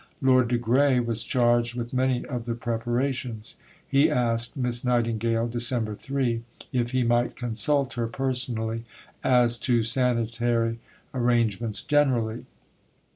Lord de Grey was charged with many of the preparations. He asked Miss Nightingale (Dec. 3) if he might consult her personally "as to sanitary arrangements generally."